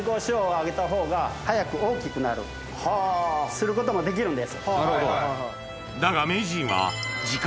することもできるんです。